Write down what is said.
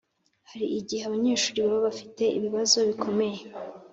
Hari igihe abanyeshuri baba bafite ibibazo bikomeye